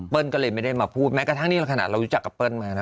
ก็เลยไม่ได้มาพูดแม้กระทั่งนี่ขนาดเรารู้จักกับเปิ้ลมานะ